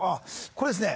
これですね。